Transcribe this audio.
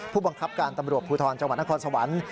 ผู้บังคับการตำรวจภูทรจังหวัดนครสวรรค์